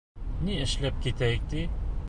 Ни эшләп китәйек ти?